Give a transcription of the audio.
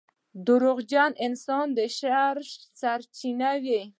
• دروغجن انسان د شر سرچینه وي.